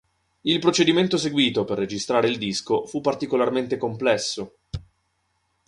Il procedimento seguito per registrare il disco fu particolarmente complesso.